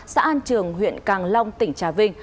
xã an trường huyện càng long tỉnh trà vinh